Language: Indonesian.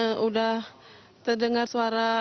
sudah terdengar suara